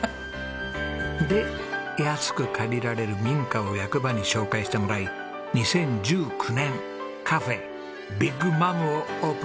で安く借りられる民家を役場に紹介してもらい２０１９年カフェビッグマムをオープンしました。